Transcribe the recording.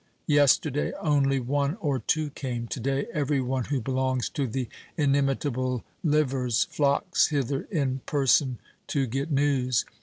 Yesterday only one or two came; to day every one who belongs to the 'Inimitable Livers' flocks hither in person to get news.